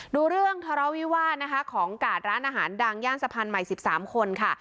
ดูเรื่องทะเลาวิวาสนะคะของกาดร้านอาหารดังย่านสะพานใหม่๑๓คนค่ะ